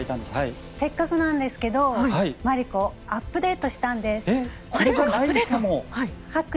せっかくなんですがマリコアップデートしたんです。